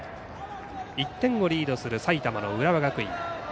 １点をリードする埼玉の浦和学院。